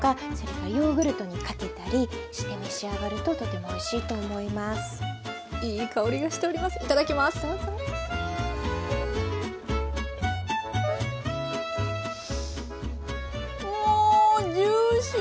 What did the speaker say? もうジューシー！